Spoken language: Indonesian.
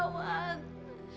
mer mer udah